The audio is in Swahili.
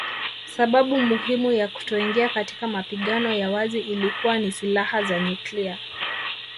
Sababu muhimu ya kutoingia katika mapigano ya wazi ilikuwa ni silaha za nyuklia